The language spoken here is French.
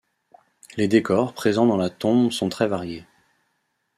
Les décors présents dans la tombe sont très variés.